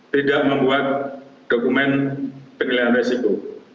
tidak membuat dokumen penilaian resiko